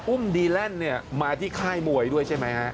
อุ่มดีแล่นมาที่ค่ายมวยด้วยใช่ไหมครับ